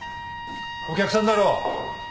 お客さんだろ。